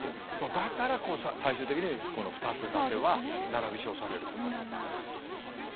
だから最終的にこの２つ伊達は並び称されることになっていくんだ。